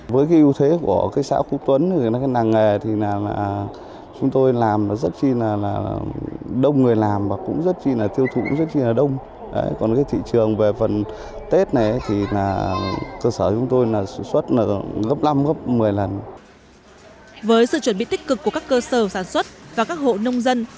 với sự chuẩn bị tích cực của các cơ sở sản xuất và các hộ nông dân